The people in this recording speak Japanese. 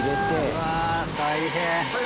うわ大変。